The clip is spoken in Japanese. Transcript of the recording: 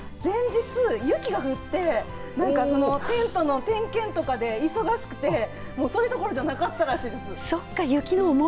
前日、雪が降ってテントの点検とかで忙しくてもう、それどころじゃなかったらしいです。